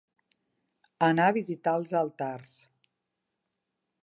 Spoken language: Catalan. Anar a visitar els altars.